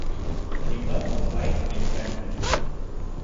Linton was white and trembling.